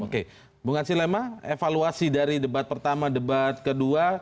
oke bung hatsilema evaluasi dari debat pertama debat kedua